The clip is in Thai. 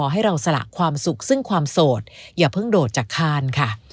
ให้เราสละความสุขซึ่งความโสดอย่าเพิ่งโดดจากคานค่ะ